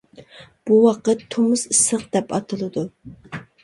بۇ ۋاقىت «تومۇز ئىسسىق» دەپ ئاتىلىدۇ.